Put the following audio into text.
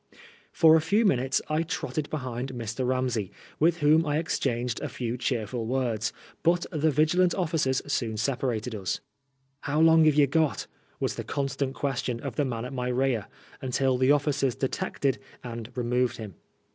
For a few minutes I trotted behind Mr. Ramsey, with whom I exchanged a few cheerful words, but the vigilant officers soon separated us. " How long 'ave ye got ?" was the constant question of the man at my rear, until the officers detected, and removed him.